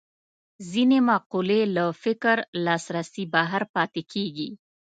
ځینې مقولې له فکر لاسرسي بهر پاتې کېږي